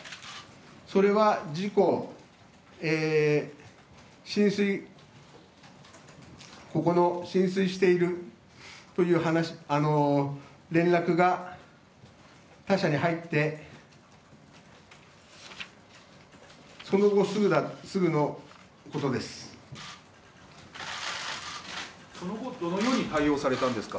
それは事故、浸水しているという連絡が他社に入ってその後すぐのことです。